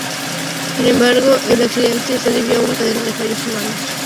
Sin embargo, el accidente se debió a una cadena de fallos humanos.